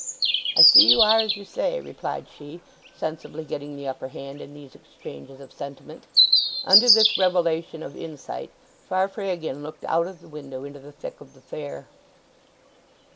"I see you are as you say," replied she, sensibly getting the upper hand in these exchanges of sentiment. Under this revelation of insight Farfrae again looked out of the window into the thick of the fair.